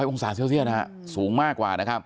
๑๐๐องศาเซียสสูงมากกว่า